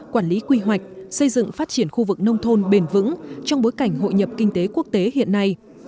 quản lý quy hoạch xây dựng phát triển khu vực nông thôn bền vững trong bối cảnh hội nhập kinh tế quốc tế hiện nay